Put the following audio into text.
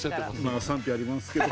まあ賛否ありますけど。